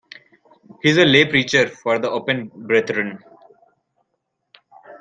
He is a lay preacher for the Open Brethren.